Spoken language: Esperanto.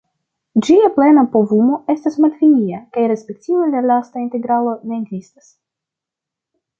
Ĝia plena povumo estas malfinia, kaj respektive la lasta integralo ne ekzistas.